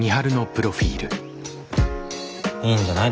いいんじゃない？